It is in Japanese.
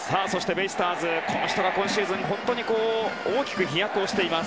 ベイスターズはこの人が今シーズン大きく飛躍しています。